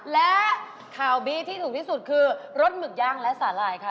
และข่าวบีที่ถูกที่สุดคือรสหมึกย่างและสาหร่ายค่ะ